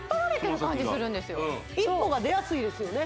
一歩が出やすいですよね